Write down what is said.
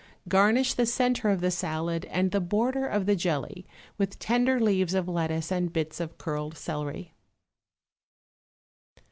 Garnish the centre of the salad and the border of the jelly with tender leaves of lettuce and bits of curled celery.